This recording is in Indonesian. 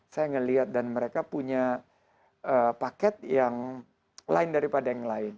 saya melihat dan mereka punya paket yang lain daripada yang lain